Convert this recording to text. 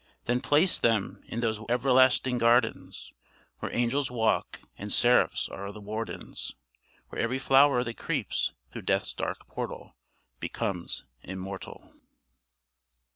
Then place them in those everlasting gardens Where angels walk, and seraphs are the wardens; Where every flower that creeps through death's dark portal Becomes immortal.